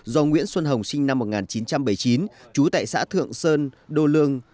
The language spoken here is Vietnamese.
do nguyễn xuân hồng sinh năm một nghìn chín trăm bảy mươi chín trú tại xã thượng sơn đô lương